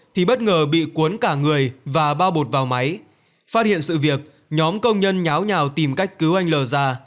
thì bất ngờ bị cuốn cả người và bao bột vào máy phát hiện sự việc nhóm công nhân nháo nhào tìm cách cứu anh lờ già